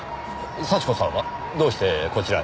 幸子さんはどうしてこちらに？